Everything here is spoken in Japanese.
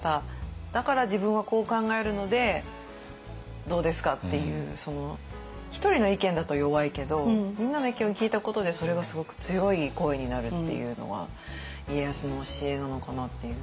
「だから自分はこう考えるのでどうですか？」っていうひとりの意見だと弱いけどみんなの意見を聞いたことでそれがすごく強い声になるっていうのは家康の教えなのかなっていう。